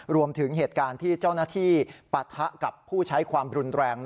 รวมถึงเหตุการณ์ที่เจ้าหน้าที่ปะทะกับผู้ใช้ความรุนแรง